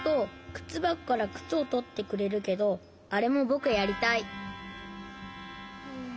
くつばこからくつをとってくれるけどあれもぼくやりたい。